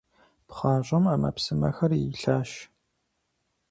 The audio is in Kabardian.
ПхъащӀэм Ӏэмэпсымэхэр илъащ.